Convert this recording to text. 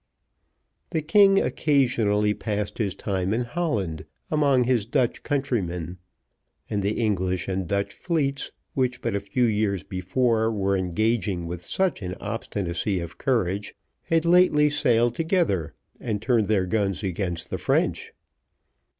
The king occasionally passed his time in Holland, among his Dutch countrymen, and the English and Dutch fleets, which but a few years before were engaging with such an obstinacy of courage, had lately sailed together, and turned their guns against the French.